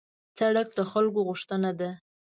سړک د خلکو غوښتنه ده.